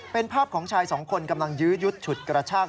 เป็นภาพของชายสองคนกำลังยื้อยุดฉุดกระชาก